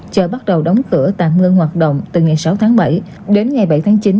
chợ bắt đầu đóng cửa tạm ngưng hoạt động từ ngày sáu tháng bảy đến ngày bảy tháng chín